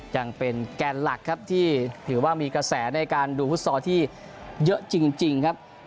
ยังเป็นแกนหลักครับที่ถือว่ามีกระแสในการดูฟุตซอลที่เยอะจริงครับ